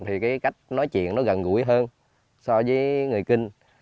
thì cái cách nói chuyện nó gần gũi hơn so với người kinh